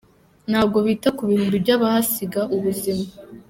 Ntabwo bita ku bihumbi by’abahasiga ubuzima.